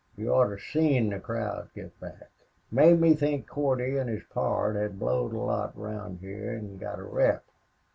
You oughter seen the crowd get back. Made me think Cordy an' his pard had blowed a lot round heah an' got a rep.